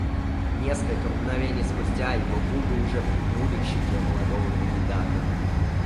Несколько мгновений спустя его губы уже прильнули к щеке молодого кандидата.